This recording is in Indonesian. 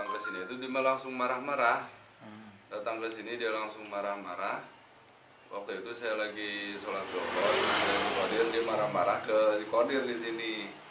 kemudian dia marah marah ke si kodir di sini